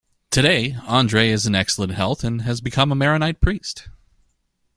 Today, Andre is in excellent health and has become a Maronite priest.